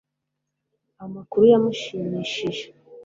amakuru yamushimishije